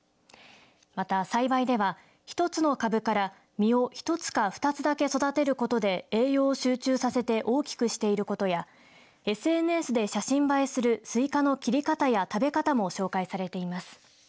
また栽培では１つの株から実を１つか２つだけ育てることで栄養を集中させて大きくしていることやＳＮＳで写真映えするスイカの切り方や食べ方も紹介されています。